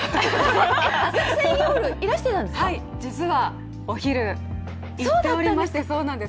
はい、実はお昼行っておりましてそうなんです。